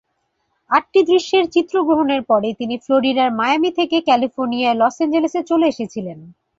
আটটি দৃশ্যের চিত্রগ্রহণের পরে তিনি ফ্লোরিডার মায়ামি থেকে ক্যালিফোর্নিয়ায় লস অ্যাঞ্জেলেসে চলে এসেছিলেন।